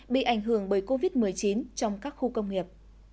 bị ảnh hưởng bởi covid một mươi chín trong các khu công nghiệp